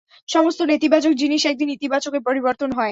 সমস্ত নেতিবাচক জিনিস একদিন ইতিবাচকে পরিবর্তন হয়।